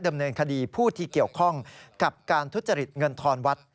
ดำเนินคดีผู้ที่เกี่ยวข้องกับการทุจริตเงินทอนวัด